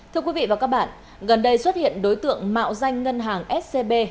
thưa quý vị và các bạn gần đây xuất hiện đối tượng mạo danh ngân hàng scb